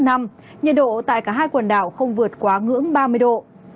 nhiệt độ tại cả hai quần đảo không vượt quá ngưỡng ba mươi độ